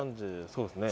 そうですね。